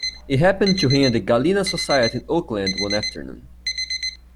It happened to him at the Gallina Society in Oakland one afternoon.